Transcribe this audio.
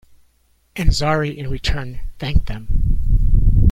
Ansari in return, thanked them.